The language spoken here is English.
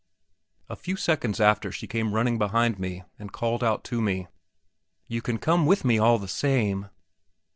A few seconds after she came running behind me, and called out to me: "You can come with me all the same!"